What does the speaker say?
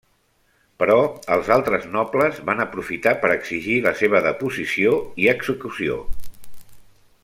Però els altres nobles van aprofitar per exigir la seva deposició i execució.